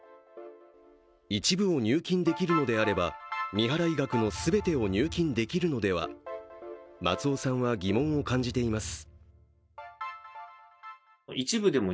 一部を入金できるのであれば、未払い額の全てを入金できるのでは、松尾さんは疑問を感じています。